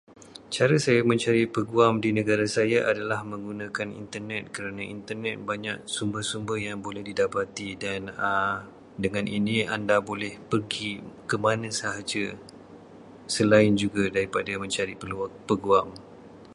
Cara saya mencari peguam di negara saya adalah menggunakan Internet, kerana Internet banyak sumber-sumber yang boleh didapati dan dengan ini anda boleh pergi ke mana sahaja, selain juga daripada mencari pelu- peguam.